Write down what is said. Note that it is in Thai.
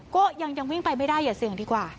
ก็ยังวิ่งไปไม่ได้อย่าเสี่ยงดีกว่า